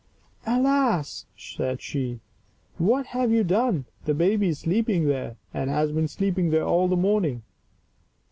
" Alas," said she, " what have you done ! the baby is sleeping there, and has been sleeping there all the morning."